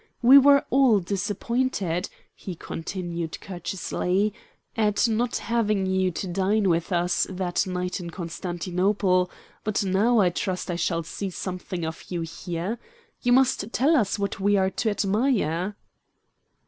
We were all disappointed," he continued, courteously, "at not having you to dine with us that night in Constantinople, but now I trust I shall see something of you here. You must tell us what we are to admire."